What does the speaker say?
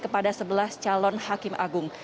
kepada sebelas calon hakim agung